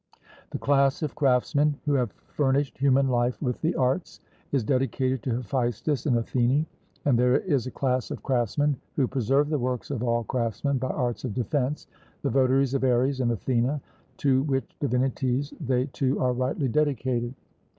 The class of craftsmen who have furnished human life with the arts is dedicated to Hephaestus and Athene; and there is a class of craftsmen who preserve the works of all craftsmen by arts of defence, the votaries of Ares and Athene, to which divinities they too are rightly dedicated.